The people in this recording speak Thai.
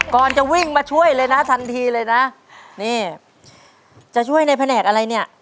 ก่อนจะวิ่งมาช่วยเลยนะทันทีเลยนะนี่จะช่วยในแผนกอะไรเนี่ย